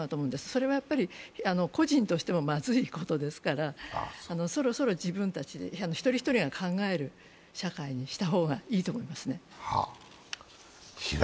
それは個人としてもまずいことですから、そろそろ自分たちで１人１人が考える社会にした方がいいと思いますね。